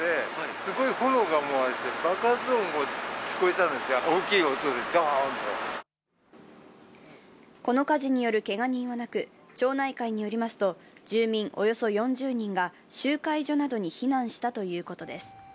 この火事によるけが人はなく、町内会によりますと住民およそ４０人が集会所などに避難したということです。